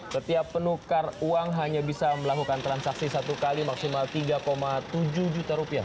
setiap penukar uang hanya bisa melakukan transaksi satu kali maksimal tiga tujuh juta rupiah